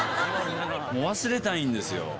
もう忘れたいんですよ。